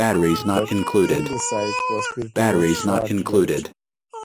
But Ingleside's prosperity was short-lived.